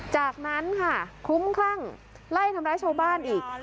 จากนั้นค่ะคลุ้มคลั่งไล่ทำร้ายชาวบ้านอีก